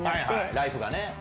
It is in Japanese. ライフがね。